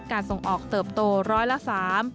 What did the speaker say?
การส่งออกเติบโตร้อยละ๓